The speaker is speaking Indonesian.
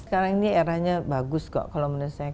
sekarang ini eranya bagus kok kalau menurut saya